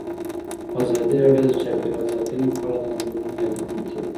ازادي راډیو د چاپیریال ساتنه په اړه د ننګونو یادونه کړې.